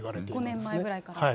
５年前ぐらいから。